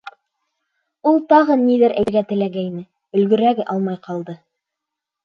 Ул тағы ниҙер әйтергә теләгәйне, өлгөрә алмай ҡалды.